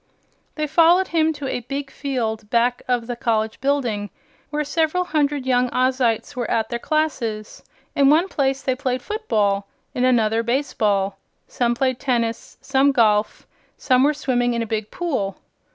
They followed him to a big field back of the college building, where several hundred young Ozites were at their classes. In one place they played football, in another baseball. Some played tennis, some golf; some were swimming in a big pool.